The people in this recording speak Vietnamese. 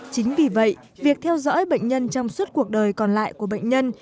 chính vì vậy việc theo dõi bệnh nhân trong suốt cuộc đời còn lại của bệnh nhân